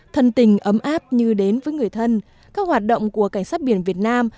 thân tình ấm áp như đến với người thân các hoạt động của cảnh sát biển việt nam